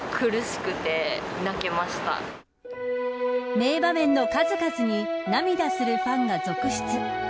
名場面の数々に涙するファンが続出。